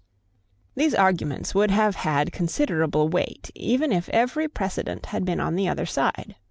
These arguments would have had considerable weight, even if every precedent had been on the other side.